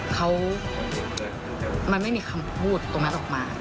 เขามันไม่มีคำพูดตรงนั้นออกมา